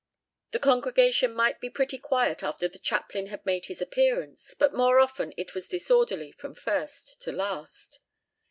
The congregation might be pretty quiet after the chaplain had made his appearance, but more often it was disorderly from first to last.